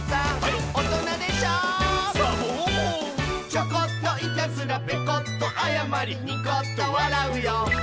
「チョコッといたずらペコッとあやまりニコッとわらうよ」